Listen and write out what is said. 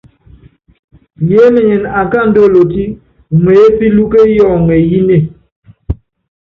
Yeémenyene akáandú olotí umeépílúke yɔŋɔ eyínée.